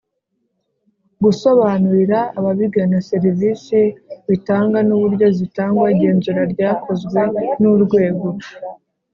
Gusobanurira ababigana serivisi bitanga n uburyo zitangwa igenzura ryakozwe n urwego